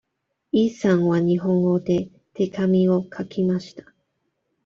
イさんは日本語で手紙を書きました。